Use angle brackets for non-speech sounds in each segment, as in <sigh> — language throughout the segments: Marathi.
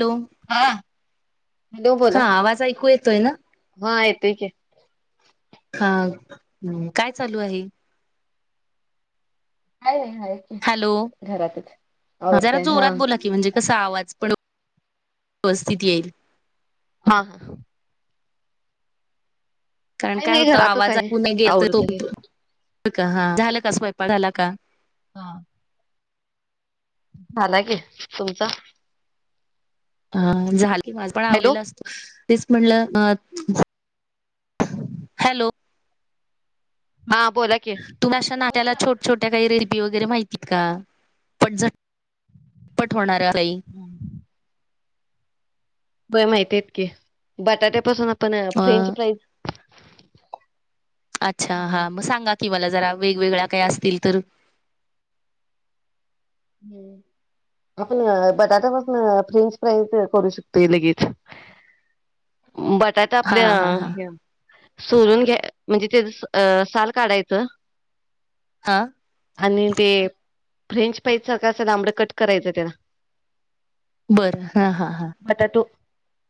हॅलो, <inaudible> हा हॅलो हा बोला, आवाज ऐकू येतोय ना <inaudible> हा येतेय की, का, हम काय चालू आहे? हाय, हाय की हॅलो, घरातच <inaudible> हा, जरा जोरात बोला की, म्हणजे कस आवाज प वस्थित येईल, हा, <inaudible> काण काही काय नाही होत घरातच आवाज आहे ऐकून, आवरत आहे <unintelligible> तस्वयंपाक झाला का? हा, झाला की, तुमचा? हा, झाल की माझ पण हॅलो आवलेला असतो. तेच म्हणलं अ, <unintelligible> हॅलो, हाप, तुम्ह अशा नात्याला छोट छोट्या कैरी रिद्धी वगैरे माहित का पट झटपट होणाऱ्या? <unintelligible> व्हय माहिती हायीत की, बटाट्या पासून आपण अ फ्रेंच फ्राईज अच्छा हम्म हा. मग सांगा कि, वाला जरा वेगवेगळ्या काही असतील तर आपण बटाटा पासून फ्रेंच फ्राय करू शकतोय लगेच. <inaudible> बटाटा हा आपल्या हा हा हे सोलून घ्या य म्हणजे ते साल काढायचं. हा आणि ते फ्रेंच फ्राईज सारखं असं लांबडं कट करायचं, त्याला बरं हा हा हा. बटाटो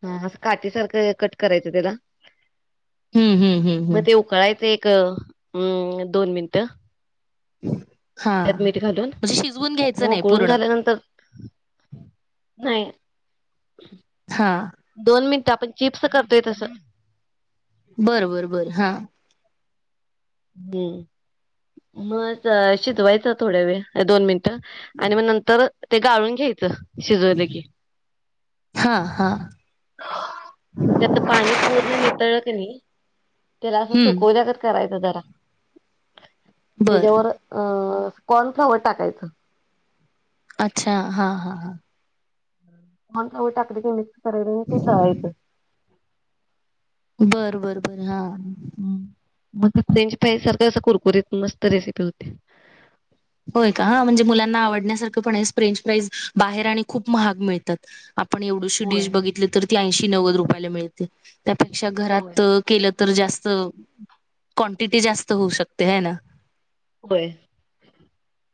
हा असं काटी सारखं कट करायचं त्याला. हम्म हम्म हम्म हम्म. म् दोन मिनिटं.. <unintelligible> त्यात मीठ घालून म्हणजे शिजवून घ्यायचं मग नाही उकरून पूर्ण झाल्यानंतर. नाही. हा दोन मिनिट आपण चिप्स करतोय तसं. बरं बर बर हा. हम्म मग शिजवायचं थोड्या वेळ दोन मिनट. आणि मग नंतर ते गाळून घ्यायचं. शिजवले की. हा हा ण त्यातलं पाणी पूर्ण नितळ कणी. त्याला असं हम्म सुकवल्याकच करायचं जरा बर त्याच्यावर अ. कॉन फ्लावर टाकायचं.. अच्छा हा हा हा. कॉर्नफ्लॉवर टाकलं की <inaudible> तळहायचं बरं बर बर हा. मग त्यांची पायसारखं असं कुरकुरीत मस्त रेसिपी होती.. होय का हा म्हणजे मुलांना आवडण्यासारखं पण फ्रेंच प्राईज बाहेर आणि खूप महाग मिळतात. आपण एवढीशी डिश होय बघितली तर ती ऐंशी नव्वद रुपयाला मिळते त्यापेक्षा होय. घरात केलं.. तर जास्त कोंक्टिटी जास्त होऊ शकते हे ना. होय.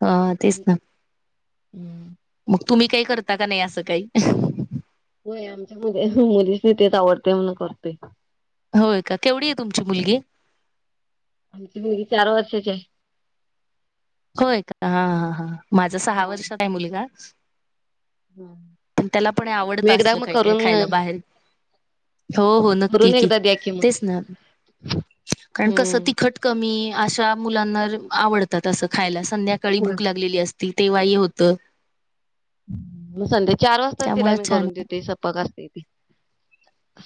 हा तेच आणि ना. हम्म. तुम्ही काही करता का नाही असं काही. होय आमच्या मु मुलीच नाही तेच आवडते म्हणून करतो होय का केवढी आहे तुमची मुलगी. आमची मुलगी चार वर्षाची आहे. होय का हा हा हा माझा सहा होय. वर्षात आहे मुलगा. हम्म. पण त्याला पण आवडत तुम्ही एकदा असल मग काही काही करून खायला बाहेर. हो हो नक्की करून की एकदा द्या कि मग. तेच ना. कारण कस हम्म. तिखट कमी अशा मुलांना आवडतात असं खायला. संध्याकाळी होय. भूक होय. लागलेली असती तेव्हाय होत. म संध्या चार वाजता तिला त्यामुळे मी छान करून देते सपक असते ते.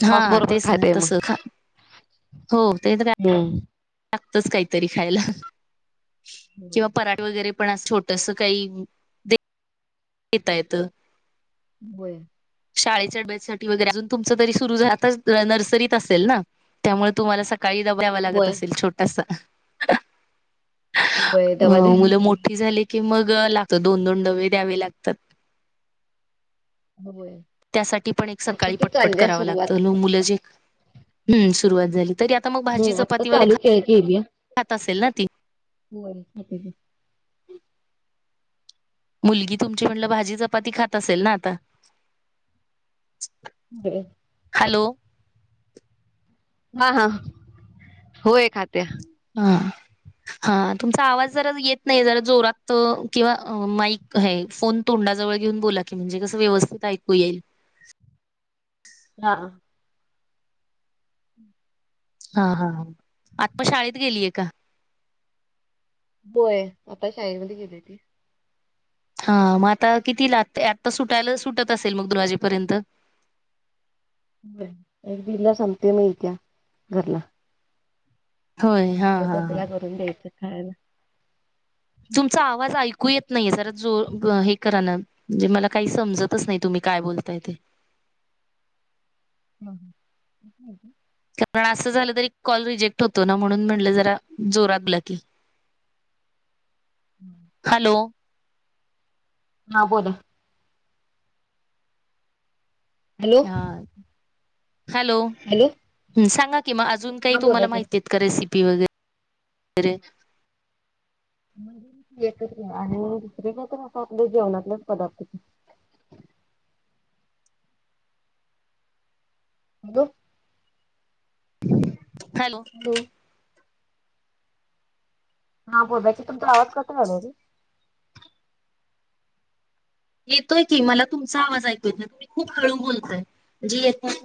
हा तेच ना तस ख हो ते तर आहे. हम्म. लागतच काहीतरी खायला होय. किंवा पराठ वगैरे पण छोट. तसं काही घेता येत. <unintelligible> शाळेच्या डब्यासाठी वगैरे अजून तुमच तरी सुरु आत्ताच नर्सरीत असेल ना त्यामुळे तुम्हाला सकाळी. सकाळी डबा द्यावं लागत होय. असेल छोटासा. होय अ डबा द्यायला मुलं लागते. मोठी झाली की मग ला. तर दोन दोन डवे द्यावे लागतात. होय. त्यासाठी पण एक आता सकाळी ते पटपट चालली आहे करावं लागत सुरुवात. मुलं जे ह्म सुरुवात झाली. तरी आता मग भाजी हम्म आता चपाती वगैरे चालू खातात के केलीया. असेल ना ती. <unintelligible> मुलगी तुमची म्हटलं भाजी चपाती खात असेल ना आता. हॅलो <unintelligible> हा हा हो होय खाते. हा. हा तुमचा आवाज जरा येत नाही जरा जोरात किंवा माईक हे फोन तोंड. तोंडाजवळ घेऊन बोला की म्हणजे कसं व्यवस्थित ऐकू येईल.. हा हा हा आता पण शाळेत गेलीय का? होय आता शाळेमध्ये गेली ती. हा मग आता कितीला आत्ता सुटायला सुटत असेल मग दोन वाजेपर्यंत एक दीडला संपते मग येत्या घरला होय हा काही तर हा हा तिला करून द्यायचं खायला. तुमचा आवाज ऐकू ऐकू येत नाही जरा जो हे करा नां, म्हणजे मला काही समजतच नाही तुम्ही काय बोलताय ते? हम ह कारण असं झालं तरी कॉल रिजेक्ट होतो ना म्हणून म्हटलं जरा जोरातला बोला की, हॅलो हा बोला हॅलो हा हॅलो‌ हॅलो सांगा मग अजून काही हा बोला तुम्हाला की माहिती आहेत का रेसिपी वगैरेै येतंय की आणि दुसरी मग आपली असं आपल्या जेवणातल्याच पदार्थ बघ हॅलो हा बोलला कि तुमचा आवाज कट व्हयला लागलाय येतोय की मला तुमचा आवाज ऐकू येत नाही तुम्ही खूप हळू बोलतोय. जी येतंय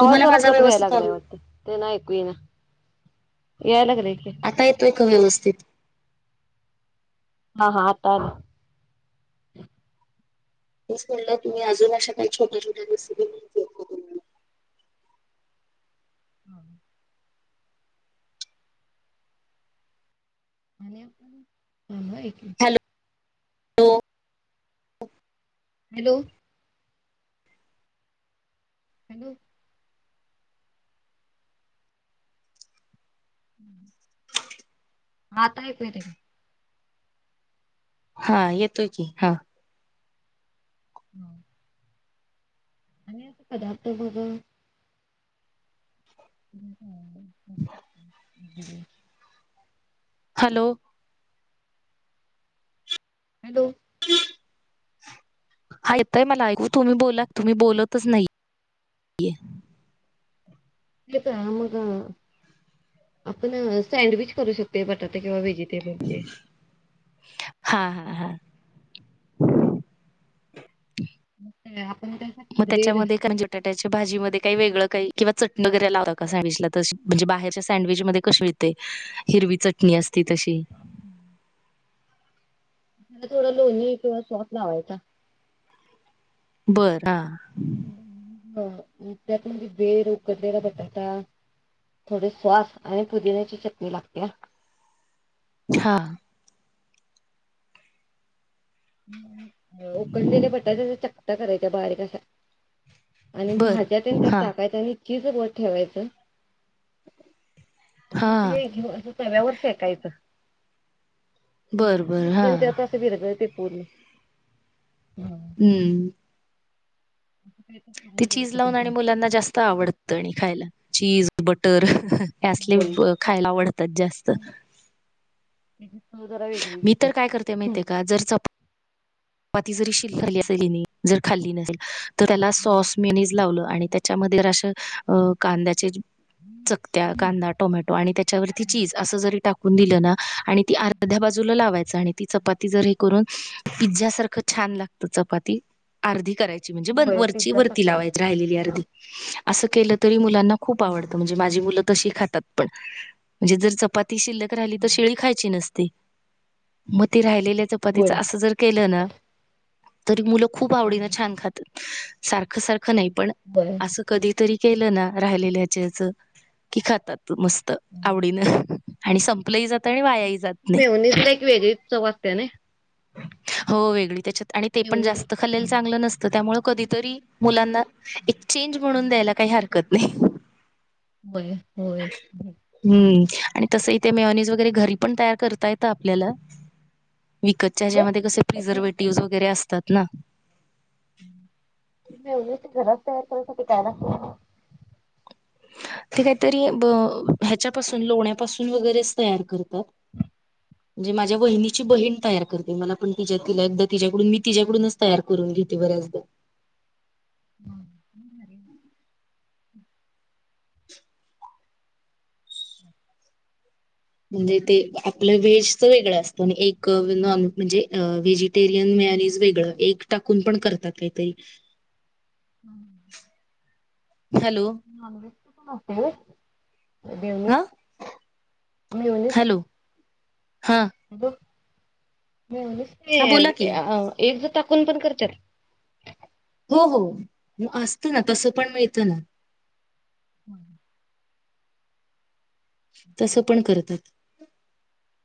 आवाज जरा कट व्हायला लागल वाटात त्यानं ऐकू ये ना, याय लागलाय की आता येतोय का व्यवस्थित? हा हा आत्ता आला. तेच म्हंटल तुम्ही अजून अशा काही छोट्या छोट्या रेसिपी माहितेय का तुम्हाला हम थांब हा एक मिनिट हो हॅलो हॅलो <unintelligible> ह आता येतोय दीदी हा येतोय की हा हम्म आणि असं पदार्थ बघ <unintelligible> हॅलो हॅलो <unintelligible> हा येतंय मला ऐकू तुम्ही बोला तुम्ही बोलतच नाही. <unintelligible> मग आपण सँडविच करू शकत बटाटे किंवा वेहेजी ते बोलते हा हा हा अ मग त्याच्यामध्ये कारण बटाट्याच्या भाजी म काही वेगळं काही किंवा चटणी वगैरे लावता का सँडविचला, तशी म्हणजे बाहेरच्या सँडविच मध्ये कशी मिळते हिरवी चटणी असते. ती तशी त्याला थोडं लोणी किंवा सॉस लावायचा. बर हा. हा आ त्यात म्हणजे उकडलेला बटाटा थोडी स्वास आणि पुदिन्याची चटणी लागतीया हा. हा उकडलेल्या बटाट्याचा चकत्या करायच्या बारीक अशा आणि बर भाज्यातेन त्यात हा टाकायचं आणि चीजवर ठेवायचं. ह ते हा घे अस तव्यावर शेकायचं. म्हणजे बर बर चीज हा तेन त्यात आस विरगळतय पूर्ण हूम् म. ते चीज लावून आणि मुलांना जास्त आवडत आणि खायला चीज, बटर ह. आसले होय खायला आवडतात जास्त. त्याची चव जरा वेगळीच मी तर येत्या काय करते माहिती आहे का? जर चपा पाती जरी शिल्लक राहिली असेल, हेणी जर खाल्ली नसेल तर त्याला सॉस, मिेनीज लावलं आणि त्याच्यामध्ये असं कांद्याचे चकत्या कांदा, टोमॅटो आणि त्याच्यावरती चीज अस जरी टाकून दिलं ना आणि ती अर्ध्या बाजूला लावायच आणि ती चपाती जर हे करून पिझ्या सारख छान लागत, चपाती अर्धी करायची म्हणजे बंद म्हंजे वर ची वरती लावायची राहिलेली अर्धी, अस केले तरी, मुलांना खूप आवडतं म्हणजे माझी मुलं तशी खातात, पण म्हणजे जर चपाती शिल्लक राहिली तर शीळी खायची नसते ते. म ते राहिलेल्या चपातीच असं जर केलं ना, तरी मुलं खूप आवडीनं छान खातील. सारखं सारखं नाही, पण आसं कधीतरी केलं ना, राहिलेल्याच की खातात मस्त आवडीनं आणि संपलंही जात आणि वायाही जात नाही. त्याने हो, वेगळी त्याच्यात आणि ते पण जास्त खाल्लेलं चांगलं नसतं, त्यामुळे कधीतरी मुलांना एक चेंज म्हणून द्यायला काही हरकत नाही. होय होय हो. हम्म आणि तसं इथे मेयॉनीज वगैरे घरी पण, तयार करता येत आपल्याला. विकतच्या ह्याच्यामध्ये कसे प्रिझर्वेटिव्हज वगैरे असतात ना. तयार करायसाठी काय लागत? ते काहीतरी ब ह्याच्यापासून, लोण्यापासून वगैरेच तयार कर त म्हणजे माझ्या वहिनीची बहीण तयार करते, मला पण तिच्या तिला एकदा तिच्याकडून मी तिच्याकडूनच तयार करून घेते बऱ्याचदा. हम्म, हे भारीए. म्हणजे ते आपलं व्हेजच वेगळं असतं, एक नॉन म्हणजे अ व्हेजिटेरियन ते आणि वेगळं, एग टाकून पण करतात कायतरी. हम्म, हॅलो नॉनव्हेज पण असतंय होय? हा बेवनीज मेवनिज हॅलो हा बग मेवनिज हा बोला नाही, की अ एग्ज टाकून पण करत्यात. हो हो, मग असतं ना तसं पण मिळतं ना. हम्म. तसं पण करतात.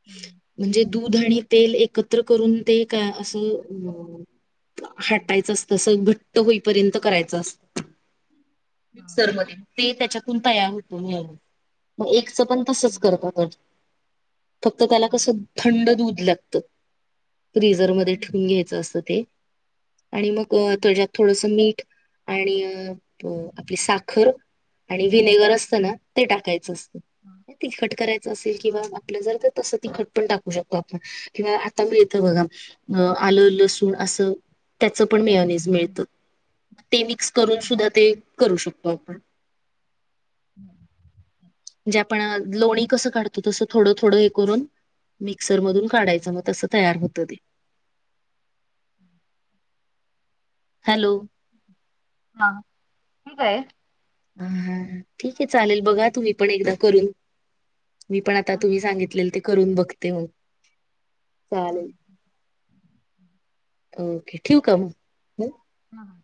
ह्म्म म्हणजे दूध आणि तेल एकत्र करून ते का असं अ हटायचं असतं असं घट्ट होईपर्यंत करायचं असतं. मिक्सर मध्ये, ते त्याच्यातून तयार होतो मेयोनीज एक च पण तसच करतात <unintelligible> फक्त त्याला कसं थंड दूध लागत फ्रीझरमध्ये ठेवून घ्यायचं असतं ते! आणि मग त्याच्यात थोडंसं मीठ - आणि आपली साखर आणि- विनेगर असत ना ते टाकायच अस तिखट करायच असेल किंवा आपल जर का तसं - तिखट पण टाकू शकतो आपण किंवा आता मिळत बघा आलं लसूण असं - त्याच पण मेयोनीज मिळतं ते मिक्स करून सुद्धा ते करू शकतो आपण - <inaudible> म्हणजे आपण लोणी कसं काढतो तसं थोडं -थोडं हे करून मी - सरमधून काढायचं मग तसं तयार होतं ते - हॅलो हा काय - हा- हा ठीक आहे चालेल बघा तुम्ही पण एकदा करून मी पण आता तुम्ही सांगितलेल ते करून बघते मग चालेल. ओके ठेऊ का मग! हां